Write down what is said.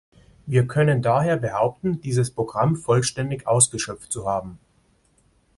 Wir können daher behaupten, dieses Programm vollständig ausgeschöpft zu haben.